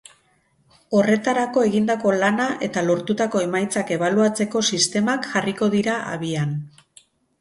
Horretarako egindako lana eta lortutako emaitzak ebaluatzeko sistemak jarriko dira abian.